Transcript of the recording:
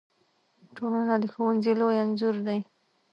ټولنه د ښوونځي لوی انځور دی.